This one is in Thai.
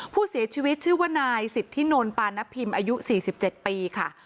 ผู้เสียชีวิตชื่อว่านายสิทธินนท์ปานพิมอายุ๔๗ปีค่ะ